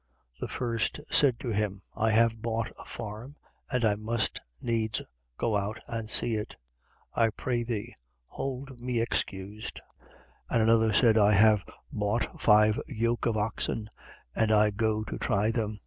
The first said to him: I have bought a farm and I must needs go out and see it. I pray thee, hold me excused. 14:19. And another said: I have bought five yoke of oxen and I go to try them.